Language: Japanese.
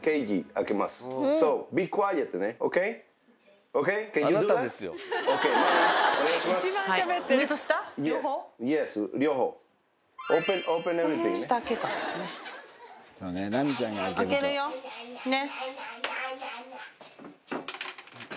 開けるよ、ね。